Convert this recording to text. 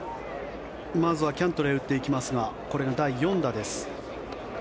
まずはキャントレー打っていきますがこれが第４打です。